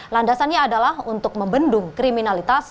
landasannya adalah untuk membendung kriminalitas